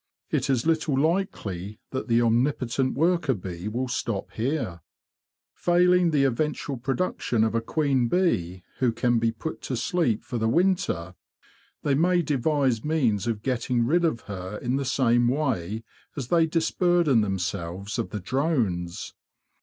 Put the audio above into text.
It is little likely that the omnipotent worker bee will stop here. Failing the eventual production of a queen bee who can be put to sleep for the winter, they may devise means of getting rid of her in the same way as they disburden them selves of the drones.